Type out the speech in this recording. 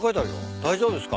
大丈夫ですか？